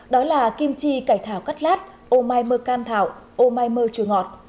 đó là kim chi cải thảo cắt lát ô mai mơ can thảo ô mai mơ chùa ngọt